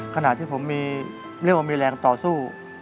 ขณะที่ผมมีเรียกว่ามีแรงต่อสู้